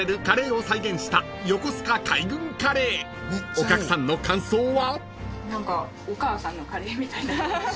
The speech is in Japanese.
［お客さんの感想は？］